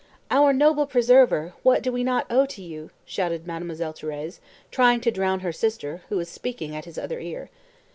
"Our noble preserver, what do we not owe to you!" shouted Mademoiselle Thérèse, trying to drown her sister, who was speaking at his other ear.